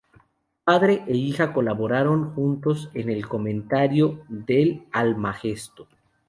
Padre e hija colaboraron juntos en el comentario del Almagesto.